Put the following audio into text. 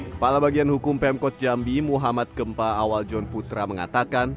kepala bagian hukum pemkot jambi muhammad gempa awaljon putra mengatakan